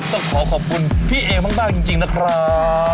ต้องขอขอบคุณพี่เอมากจริงนะครับ